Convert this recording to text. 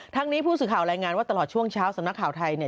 ทั้งนี้ผู้สื่อข่าวแรงงานว่าตลอดช่วงเช้าสำนักข่าวไทย